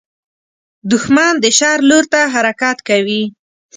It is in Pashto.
دښمن د شر لور ته حرکت کوي